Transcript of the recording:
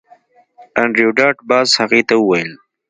انډریو ډاټ باس هغې ته وویل